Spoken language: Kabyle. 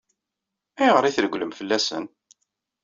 Ayɣer i tregglem fell-asen?